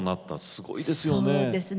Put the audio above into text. すごいですね。